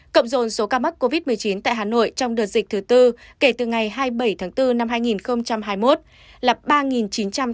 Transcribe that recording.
cộng dồn số ca mắc covid một mươi chín tại hà nội trong đợt dịch thứ tư kể từ ngày hai mươi bảy tháng bốn năm hai nghìn hai mươi một là ba chín trăm tám mươi ca